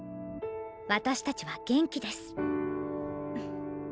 私たちは元気です。